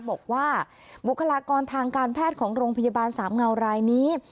บอกว่าบุคลากรทางการแพทย์ของโรงพยาบาลสามเงารายนี้